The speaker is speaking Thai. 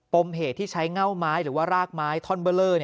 มเหตุที่ใช้เง่าไม้หรือว่ารากไม้ท่อนเบอร์เลอร์